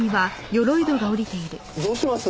どうします？